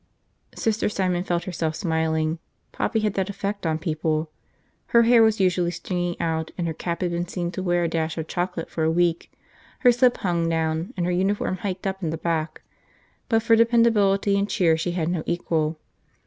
Sister Simon felt herself smiling. Poppy had that effect on people. Her hair was usually stringing out and her cap had been seen to wear a dash of chocolate for a week, her slip hung down and her uniform hiked up in the back; but for dependability and cheer she had no equal.